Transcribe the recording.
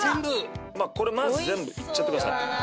これまず全部いっちゃってください